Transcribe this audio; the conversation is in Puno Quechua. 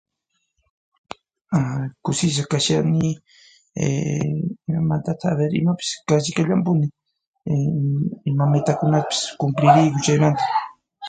{aa} Kusisqa kashani eee imatataq haber imapis kasi kallanpuni {iii} ima mitakunapis cumpliriyku chaymanta.